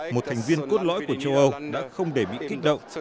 một thành viên cốt lõi của châu âu đã không để bị kích động